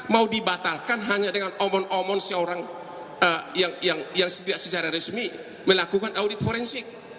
mau dibatalkan hanya dengan omong omon seorang yang secara resmi melakukan audit forensik